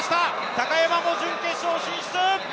高山も準決勝進出！